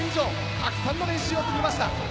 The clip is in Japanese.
たくさんの練習を積みました。